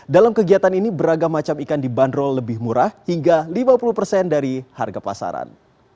dalam kegiatan ini beragam macam ikan dibanderol lebih murah hingga lima puluh persen dari harga pasaran